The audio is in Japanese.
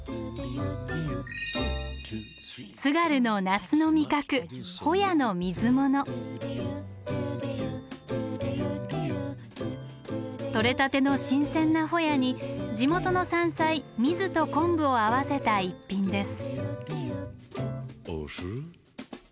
津軽の夏の味覚とれたての新鮮なホヤに地元の山菜ミズと昆布をあわせた逸品です。